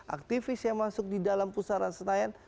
aktivis yang masuk di dalam pusara setayan